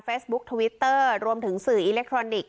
บุคทวิตเตอร์รวมถึงสื่ออิเล็กทรอนิกส